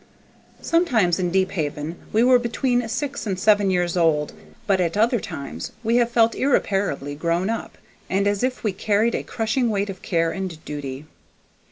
Sometimes in Deephaven we were between six and seven years old, but at other times we have felt irreparably grown up, and as if we carried a crushing weight of care and duty.